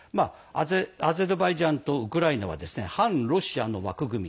アゼルバイジャンとウクライナは反ロシアの枠組み